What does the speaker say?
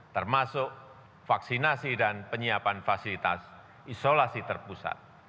termasuk vaksinasi dan penyiapan fasilitas isolasi terpusat